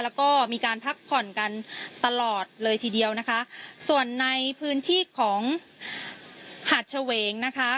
แล้วก็มีการพักผ่อนกันตลอดเลยทีเดียวนะคะส่วนในพื้นที่ของหาดเฉวงนะคะ